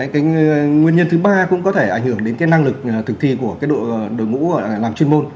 cái nguyên nhân thứ ba cũng có thể ảnh hưởng đến cái năng lực thực thi của đội ngũ làm chuyên môn